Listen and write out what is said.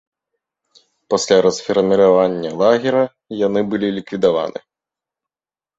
Пасля расфарміравання лагера, яны былі ліквідаваны.